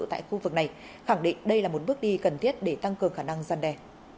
tại khu vực này khẳng định đây là một bước đi cần thiết để tăng cường khả năng gian đe